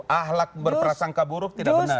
ahlak berprasangka buruk tidak benar